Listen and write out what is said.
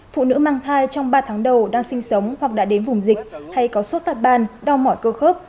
phụ nữ mang thai trong ba tháng đầu đang sinh sống hoặc đã đến vùng dịch hay có sốt phạt ban đau mỏi cơ khớp